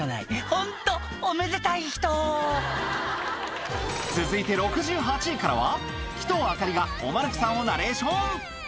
ホントおめでたい人続いて６８位からは鬼頭明里がおマヌケさんをナレーション